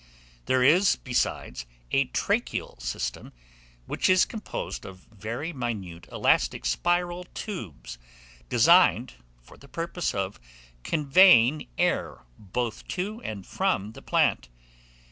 There is, besides, a tracheal system, which is composed of very minute elastic spiral tubes, designed for the purpose of conveying air both to and from the plant.